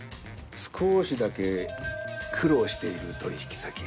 少しだけ苦労している取引先が。